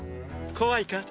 怖いか？